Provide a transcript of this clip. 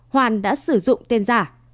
hoàn đã sử dụng tên giả